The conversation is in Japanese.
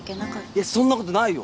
いやそんな事ないよ。